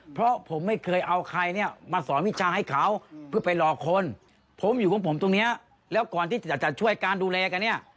เพราะผมไม่เคยเอาใครเนี่ยมาสอนวิชาให้เขาเพื่อไปหลอกคนผมอยู่ของผมตรงนี้แล้วก่อนที่จะช่วยการดูแลกันเนี่ย